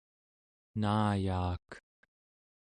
naayaak